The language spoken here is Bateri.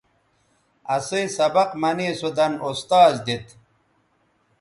اسئ سبق منے سو دَن اُستاذ دیت